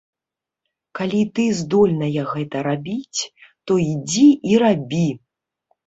Калі ты здольная гэта рабіць, то ідзі і рабі.